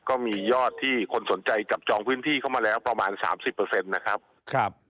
ก็มียอดที่คนสนใจจับจองพื้นที่เข้ามาแล้วประมาณสามสิบเปอร์เซ็นต์นะครับครับ